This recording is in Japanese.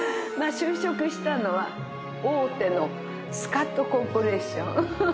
まあ就職したのは大手のスカトコーポレーション。